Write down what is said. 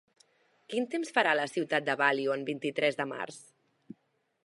Quin temps farà a la ciutat de Value el vint-i-tres de març?